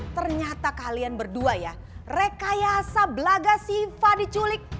ternyata kalian berdua ya rekayasa belaga sifat diculik